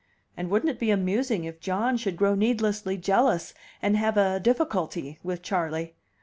And wouldn't it be amusing if John should grow needlessly jealous, and have a "difficulty" with Charley?